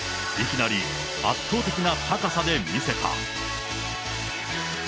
いきなり、圧倒的な高さで見せた。